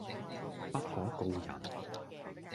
不可告人